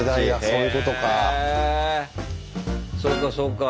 そうかそうか。